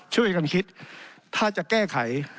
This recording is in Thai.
ช่วยกันคิดถ้าจะแก้ไข